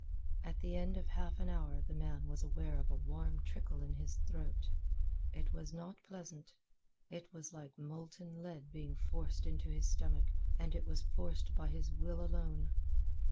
At the end of half an hour the man was aware of a warm trickle in his throat. It was not pleasant. It was like molten lead being forced into his stomach, and it was forced by his will alone.